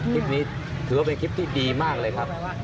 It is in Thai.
คลิปนี้ถือว่าเป็นคลิปที่ดีมากเลยครับ